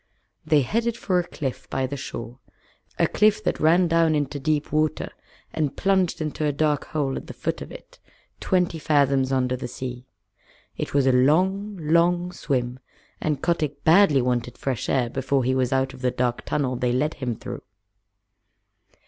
They headed for a cliff by the shore a cliff that ran down into deep water, and plunged into a dark hole at the foot of it, twenty fathoms under the sea. It was a long, long swim, and Kotick badly wanted fresh air before he was out of the dark tunnel they led him through.